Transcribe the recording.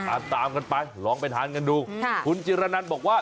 อะตามกันไปลองไปทานกันดูคุณจิระนันด์บอกว่า